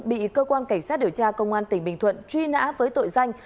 bị cơ quan cảnh sát điều tra công an tỉnh bình thuận truy nã với tội danh